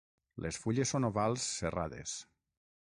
Les fulles són ovals serrades.